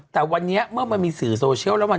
แต่วันนี้เมื่อมันมีสื่อโซเชียล